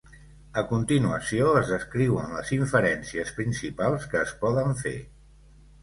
A continuació es descriuen les inferències principals que es poden fer.